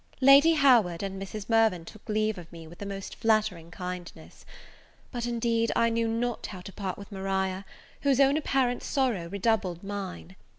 Lady Howard and Mrs. Mirvan took leave of me with the most flattering kindness; but indeed I knew not how to part with Maria, whose own apparent sorrow redoubled mine.